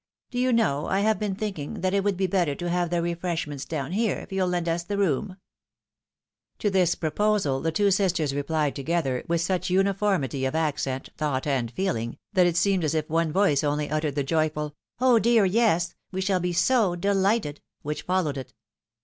Do you know I have been thinking that it would be better to have the refreshments down here, if you'll lend us the room ?" To this proposal the two sisters replied together, with such uniformity of accent, thought, and feehng, that it seemed as if one voice only uttered the joyful " Oh dear yes ! we shall be so delighted," which followed it.